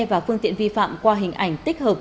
và phương tiện vi phạm qua hình ảnh tích hợp